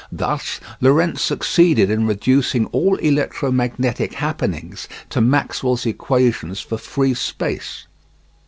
Thus Lorentz succeeded in reducing all electromagnetic happenings to Maxwell's equations for free space.